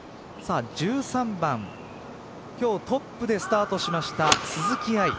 １３番今日トップでスタートしました鈴木愛。